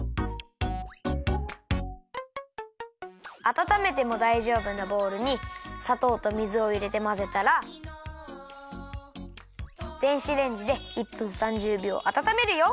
あたためてもだいじょうぶなボウルにさとうと水をいれてまぜたら電子レンジで１分３０びょうあたためるよ。